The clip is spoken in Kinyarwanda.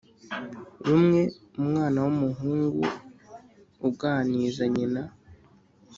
rumwe umwana wumuhungu uganiza nyina